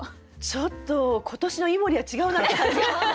ちょっと今年の井森は違うなって感じが。